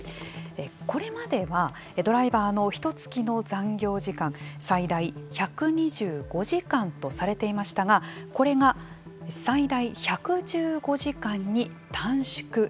これまではドライバーのひと月の残業時間最大１２５時間とされていましたがこれが最大１１５時間に短縮されました。